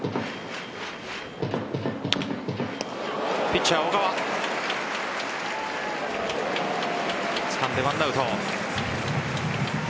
ピッチャー・小川つかんで１アウト。